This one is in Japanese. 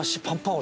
俺。